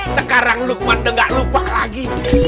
sekarang lukman tuh gak lupa lagi